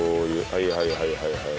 はいはいはいはいはい。